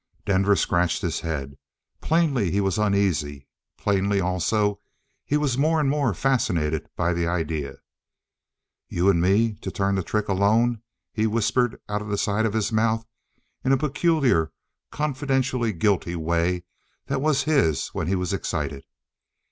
Denver scratched his head. Plainly he was uneasy; plainly, also, he was more and more fascinated by the idea. "You and me to turn the trick alone?" he whispered out of the side of his mouth in a peculiar, confidentially guilty way that was his when he was excited.